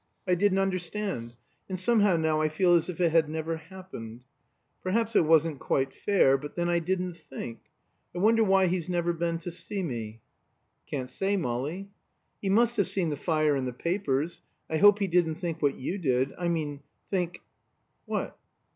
I didn't understand; and somehow now, I feel as if it had never happened. Perhaps it wasn't quite fair but then I didn't think. I wonder why he's never been to see me." "Can't say, Molly." "He must have seen the fire in the papers I hope he didn't think what you did. I mean think " "What?"